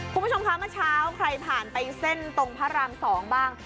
คุณผู้ชมคะเมื่อเช้าใครผ่านไปเส้นตรงพระราม๒บ้าง